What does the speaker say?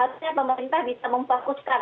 harusnya pemerintah bisa memfokuskan